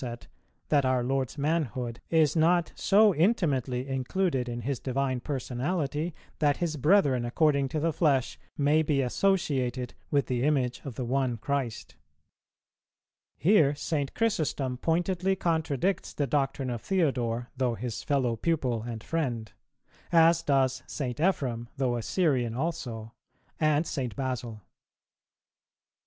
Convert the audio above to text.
that our Lord's manhood is not so intimately included in His Divine Personality that His brethren according to the flesh may be associated with the Image of the One Christ. Here St. Chrysostom pointedly contradicts the doctrine of Theodore, though his fellow pupil and friend;[290:1] as does St. Ephrem, though a Syrian also;[290:2] and St. Basil.